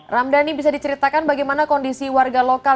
ramdhani bisa diceritakan bagaimana kondisi warga lokal